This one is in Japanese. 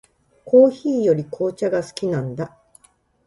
コーヒーより紅茶が好きなんだ。